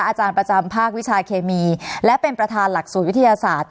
อาจารย์ประจำภาควิชาเคมีและเป็นประธานหลักศูนวิทยาศาสตร์